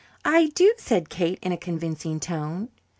"I do," said Kate, in a convincing tone.